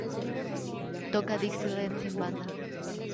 Toca Dixieland sin banda.